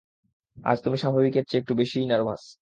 আজ তুমি স্বাভাবিকের চেয়ে একটু বেশিই নার্ভাস।